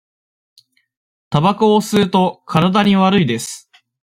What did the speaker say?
たばこを吸うと、体に悪いです。